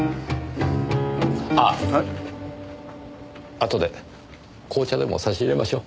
あとで紅茶でも差し入れましょう。